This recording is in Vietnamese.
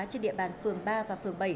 trên địa bàn phường ba và phường bảy